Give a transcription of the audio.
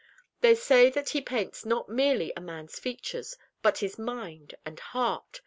They say that he paints not merely a man's features, but his mind and heart.